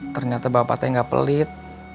ternyata bapak teh gak pelit